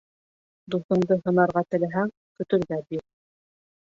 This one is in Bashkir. Дуҫыңды һынарға теләһәң, көтөргә бир.